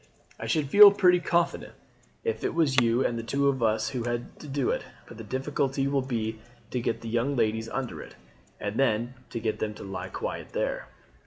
I should feel pretty confident if it was you and two of us who had to do it; but the difficulty will be to get the young ladies under it, and then to get them to lie quiet there."